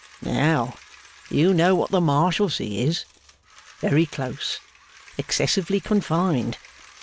Now, you know what the Marshalsea is. Very close. Excessively confined.